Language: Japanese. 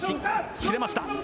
切れました。